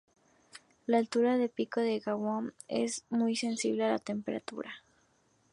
La altura del pico de Gamow es muy sensible a la temperatura.